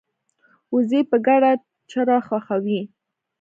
وزې په ګډه چرا خوښوي